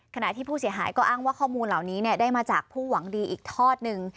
ขณะที่ผู้เสียหายก็อ้างว่าข้อมูลเหล่านี้ได้มาจากผู้หวังดีอีกทอดหนึ่ง